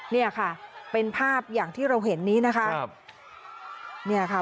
นี่ค่ะเป็นภาพอย่างที่เราเห็นนี้นะครับ